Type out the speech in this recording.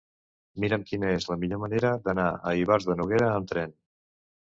Mira'm quina és la millor manera d'anar a Ivars de Noguera amb tren.